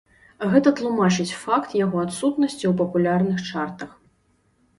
Гэта тлумачыць факт яго адсутнасці ў папулярных чартах.